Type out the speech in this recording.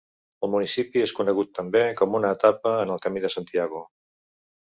El municipi és conegut també com una etapa en el Camí de Santiago.